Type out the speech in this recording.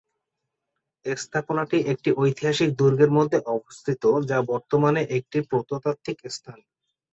স্থাপনাটি একটি ঐতিহাসিক দুর্গের মধ্যে অবস্থিত যা বর্তমানে একটি প্রত্নতাত্ত্বিক স্থান।